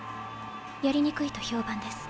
やりにくいと評判です。